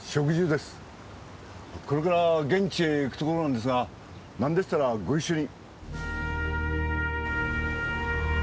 これから現地へ行くところなんですがなんでしたらご一緒に。